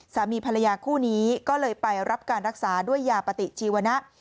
สามีภรรยาคู่นี้ก็เลยไปรับการรักษาด้วยยาปฏิชีวนะ